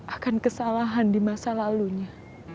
akan kesalahan di masa lalunya